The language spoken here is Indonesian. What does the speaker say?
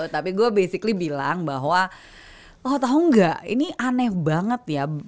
tapi gue basically bilang bahwa lo tau gak ini aneh banget ya